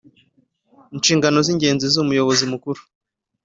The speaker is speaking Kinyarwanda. Inshingano z’ ingenzi z’ Umuyobozi Mukuru